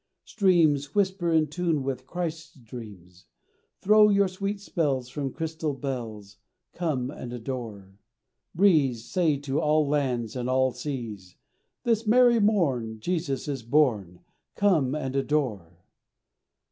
Streams, Whisper in tune with Christ's dreams, Throw your sweet spells From crystal bells, Come and adore. Breeze, Say to all lands and all seas, "This merry morn, Jesus is born, Come and adore."